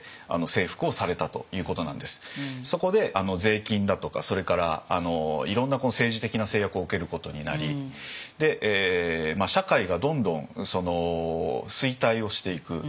そこで税金だとかそれからいろんな政治的な制約を受けることになり社会がどんどん衰退をしていく。